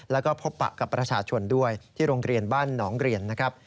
แล้วก็พบปะกับประชาชนด้วยที่โรงเรียนบ้านหนองเรียนนะครับ